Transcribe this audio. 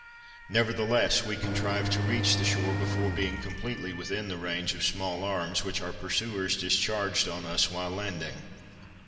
Nevertheless, we contrived to reach the shore before being completely within the range of small arms, which our pursuers discharged on us while landing.